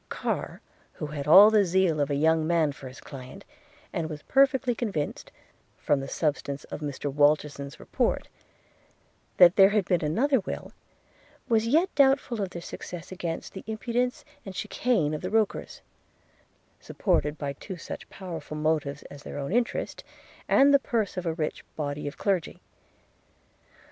Carr, who had all the zeal of a young man for his client, and was perfectly convinced, from the substance of Mr Walterson's report, that there had been another will, was yet doubtful of their success against the impudence and chicane of the Rokers; supported by two such powerful motives, as their own interest, and the purse of a rich body of clergy.